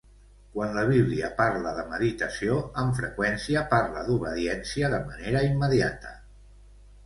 Quan la Bíblia parla de meditació, amb freqüència parla d"obediència de manera immediata.